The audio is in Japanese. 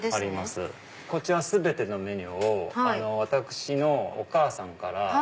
こちら全てのメニューを私のお母さんから。